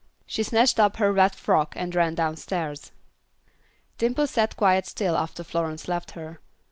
She snatched up her wet frock and ran downstairs. Dimple sat quite still after Florence left her.